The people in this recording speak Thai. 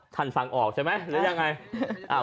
ท่านฟังออกใช่ไหม